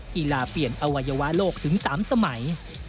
เปลี่ยนอวัยวะโลกถึง๓สมัย